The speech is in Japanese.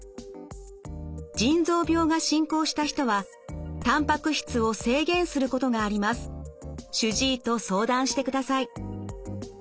腎臓病が進行した人はたんぱく質を制限することがあります。主治医と相談してください。